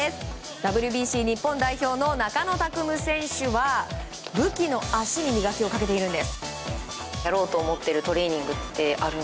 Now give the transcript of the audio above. ＷＢＣ日本代表の中野拓夢選手は武器の足に磨きをかけているんです。